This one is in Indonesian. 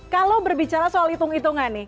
kalau berbicara soal hitung hitungan nih